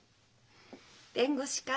弁護士か。